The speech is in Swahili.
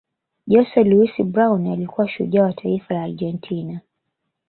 jose luis brown alikuwa shujaa wa taifa la argentina